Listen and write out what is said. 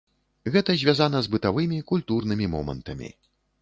Гэта звязана з бытавымі, культурнымі момантамі.